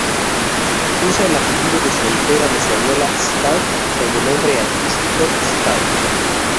Utiliza el apellido de soltera de su abuela "Stark", como nombre artístico "Stark".